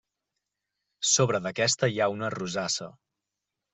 Sobre d'aquesta hi ha una rosassa.